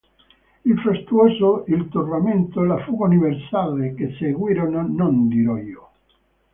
Il frastuono, il turbamento, la fuga universale che seguirono, non dirò io.